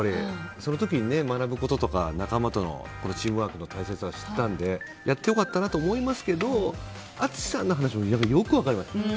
その時に学ぶこととか仲間とのチームワークの大切さを知ったのでやって良かったと思いますけど淳さんの話はよく分かります。